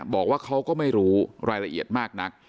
บอกว่าเขาก็ไม่รู้รายละเอียดมากนัก